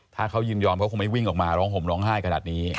ถ้าเขายินยอมเขาคงไม่วิ่งออกมาร้องห่มร้องไห้ขนาดนี้